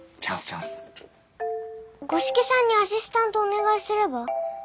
五色さんにアシスタントお願いすれば？